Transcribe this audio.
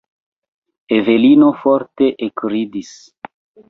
Evelino forte ekridis.